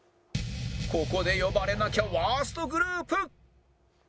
ここで呼ばれなきゃワーストグループ！